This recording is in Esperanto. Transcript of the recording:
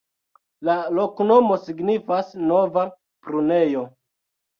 La loknomo signifas: nova-prunejo.